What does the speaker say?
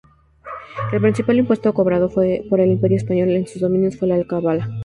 El principal impuesto cobrado por el Imperio Español en sus dominios fue la alcabala.